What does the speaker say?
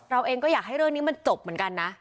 เราก็อยากให้เรื่องนี้มันจบเหมือนกันนะ